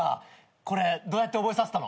これどうやって覚えさせたの？